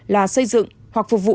là xây dựng hoặc phục vụ